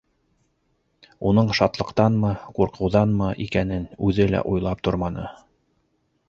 Уның шатлыҡтанмы, ҡурҡыуҙанмы икәнен үҙе лә уйлап торманы.